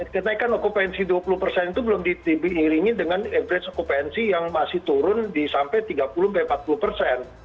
kenaikan okupansi dua puluh persen itu belum diiringi dengan average okupansi yang masih turun sampai tiga puluh empat puluh persen